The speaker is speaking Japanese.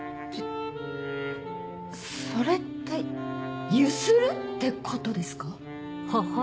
それってゆするってことですか？